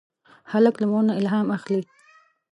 هلک له مور نه الهام اخلي.